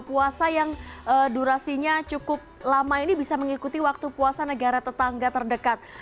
puasa yang durasinya cukup lama ini bisa mengikuti waktu puasa negara tetangga terdekat